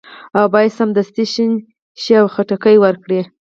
او باید سمدستي شین شي او خټکي ورکړي.